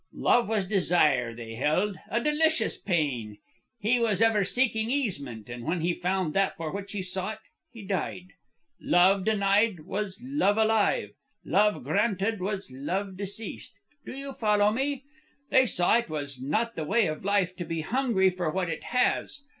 "Love was desire, they held, a delicious pain. He was ever seeking easement, and when he found that for which he sought, he died. Love denied was Love alive; Love granted was Love deceased. Do you follow me? They saw it was not the way of life to be hungry for what it has.